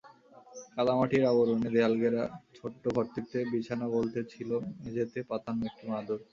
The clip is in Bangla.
কাদামাটির আবরণে দেয়ালঘেরা ছোট্ট ঘরটিতে বিছানা বলতে ছিল মেঝেতে পাতানো একটি মাদুর।